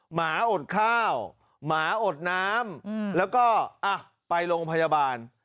หมาอดข้าวหมาอดน้ำแล้วก็ไปโรงพยาบาล